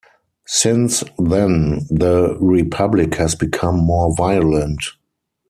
Since then the republic has become more violent.